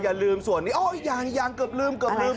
อย่าลืมส่วนนี้อย่างเกือบลืม